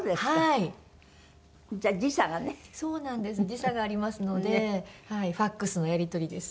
時差がありますのでファクスのやり取りです。